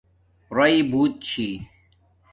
رئ بوت چھی